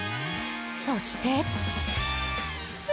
そして。